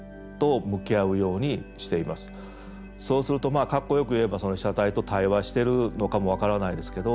そうすると格好よく言えばその被写体と対話してるのかも分からないですけど